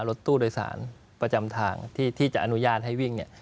รถตู้โดยสารประจำทางที่จะอนุญาตให้วิ่งเนี่ย